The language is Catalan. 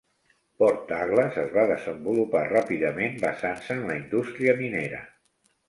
Port Douglas es va desenvolupar ràpidament basant-se en la indústria minera.